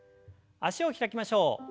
脚を開きましょう。